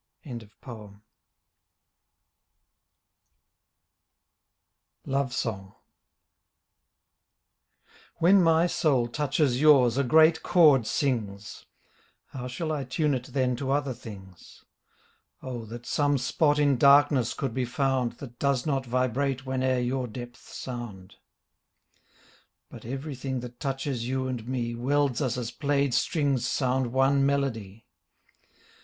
47 LOVE SONG When my soul touches yours a great chord sings! How shall I tune it then to other things ? O' That some spot in darkness could be found That does not vibrate whene'er your depth«,sound. But everything that touches you and me Welds us as played strings sound one melody.